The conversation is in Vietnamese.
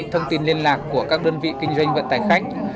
thông tin liên lạc của các đơn vị kinh doanh vận tải khách